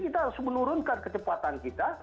kita harus menurunkan kecepatan kita